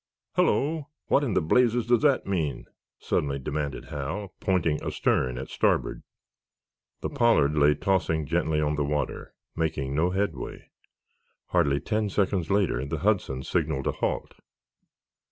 "Hullo! What in blazes does that mean?" suddenly demanded Hal, pointing astern at starboard. The "Pollard" lay tossing gently on the water, making no headway. Hardly ten seconds later the "Hudson" signaled a halt.